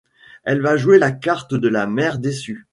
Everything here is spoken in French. Elle va jouer la carte de la mère déçue.